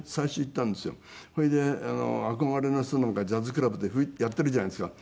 それで憧れの人なんかジャズクラブでやっているじゃないですか。